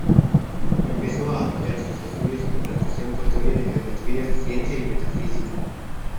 Empezó a ampliar sus estudios en percusión con teoría de geometría, ciencia y metafísica.